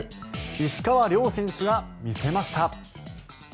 石川遼選手が見せました。